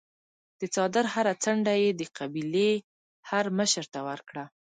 د څادر هره څنډه یې د قبیلې هرمشر ته ورکړه.